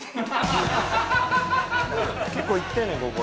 結構行ってんねんここ。